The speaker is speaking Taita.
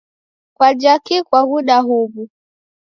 Kwaja kii kwaghuda huwu?